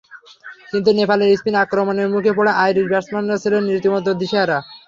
কিন্তু নেপালের স্পিন আক্রমণের মুখে পড়ে আইরিশ ব্যাটসম্যানরা ছিলেন রীতিমতো দিশেহারা।